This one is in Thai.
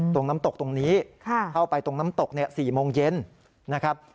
น้ำตกตรงนี้เข้าไปตรงน้ำตก๔โมงเย็นนะครับ